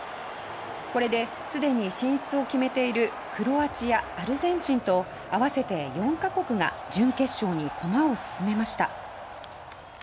これで、すでに進出を決めているクロアチア、アルゼンチンと合わせて４か国が準決勝に駒を進めました。